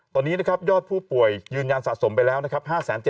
ตอนนี้นะครับยอดผู้ป่วยยืนยันสะสมไปแล้วนะครับ